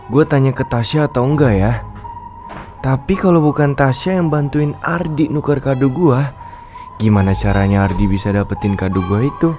gue tanya ke tasya atau enggak ya tapi kalau bukan tasya yang bantuin ardi nuker kado gue gimana caranya ardi bisa dapetin kado gue itu